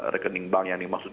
rekening bank yang dimaksud